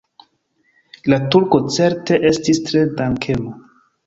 La turko certe estis tre dankema.